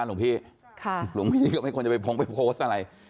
หลวงพี่หลวงพี่ก็ไม่ควรจะไปพงไปโพสต์อะไร